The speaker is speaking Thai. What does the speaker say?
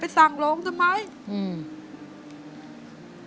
ไปแอบร้องไห้แล้วคุยกับตัวเองว่าไงพี่พา